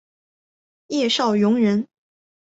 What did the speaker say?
叶绍颙人。